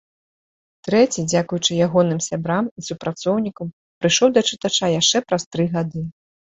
Трэці, дзякуючы ягоным сябрам і супрацоўнікам, прыйшоў да чытача яшчэ праз тры гады.